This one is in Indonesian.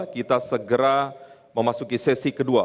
kita segera memasuki sesi kedua